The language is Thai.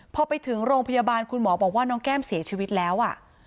พอไปถึงโรงพยาบาลคุณหมอบอกว่าน้องแก้มเสียชีวิตแล้ว